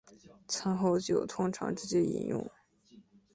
餐后酒通常直接饮用。